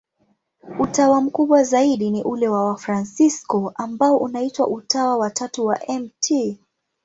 Utawa mkubwa zaidi ni ule wa Wafransisko, ambao unaitwa Utawa wa Tatu wa Mt.